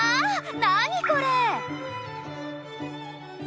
何これ？